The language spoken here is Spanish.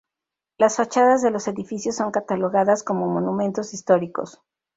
Las fachadas de los edificios son catalogadas como monumentos históricos.